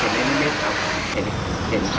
ใช้ได้ไหมครับได้ครับออกให้เรารู้กันถึงเยี่ยมต้องก็คุยกัน